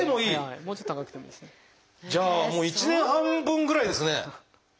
じゃあもう１年半分ぐらいですかね。